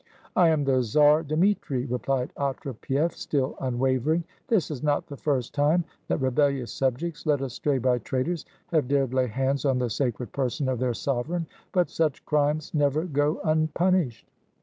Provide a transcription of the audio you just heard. "I am the Czar Dmitri," repHed Otrepief, still un wavering. "This is not the first time that rebellious subjects, led astray by traitors, have dared lay hands on the sacred person of their sovereign; but such crimes never go unpunished."